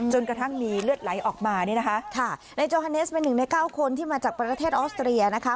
กระทั่งมีเลือดไหลออกมาเนี่ยนะคะค่ะนายจอร์ฮาเนสเป็นหนึ่งในเก้าคนที่มาจากประเทศออสเตรียนะคะ